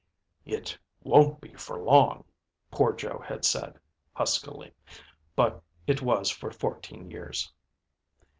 ďIt won't be for long," poor Joe had said, huskily; but it was for fourteen years.